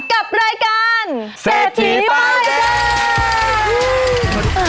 กับรายการเศรษฐีปะเจไรฟ์